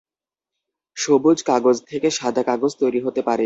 সবুজ কাগজ থেকে সাদা কাগজ তৈরি হতে পারে।